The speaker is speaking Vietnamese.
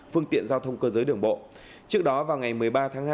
phương tiện giao thông cơ giới đường bộ trước đó vào ngày một mươi ba tháng hai